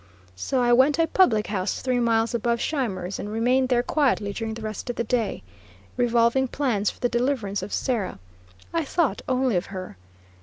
So I went to a public house three miles above Scheimer's, and remained there quietly during the rest of the day, revolving plans for the deliverance of Sarah. I thought only of her.